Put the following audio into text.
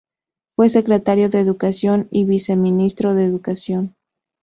Fue Secretario de Educación y Viceministro de Educación.